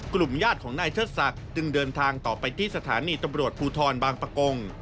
กลุ่มญาติของนายเทิดศักดิ์จึงเดินทางต่อไปที่สถานีตำรวจภูทรบางปะกง